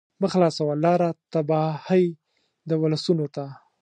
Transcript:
مه خلاصوه لاره تباهۍ د ولسونو ته